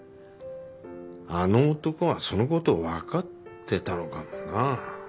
あの男はそのことを分かってたのかもな。